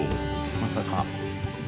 まさか。